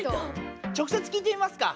直せつ聞いてみますか。